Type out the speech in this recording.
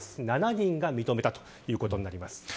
７人が認めたことになります。